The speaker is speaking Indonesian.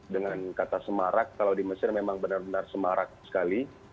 dengan kata semarak kalau di mesir memang benar benar semarak sekali